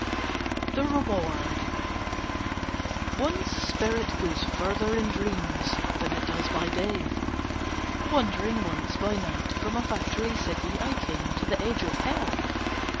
THE REWARD One's spirit goes further in dreams than it does by day. Wandering once by night from a factory city I came to the edge of Hell.